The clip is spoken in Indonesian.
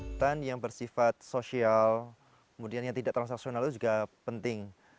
kegiatan yang bersifat sosial kemudian yang tidak transaksional itu juga penting